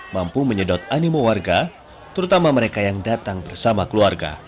mampu menyedot animo warga terutama mereka yang datang bersama keluarga